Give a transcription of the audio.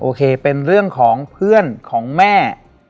โอเคเป็นเรื่องของเพื่อนของแม่